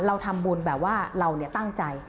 เราทำบุญแบบว่าเราตั้งใจ